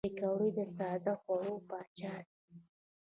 پکورې د ساده خوړو پاچا دي